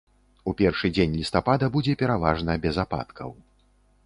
У першы дзень лістапада будзе пераважна без ападкаў.